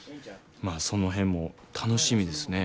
まあその辺も楽しみですね。